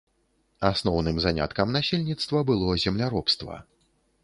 Асноўным заняткам насельніцтва было земляробства.